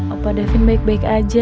apa david baik baik aja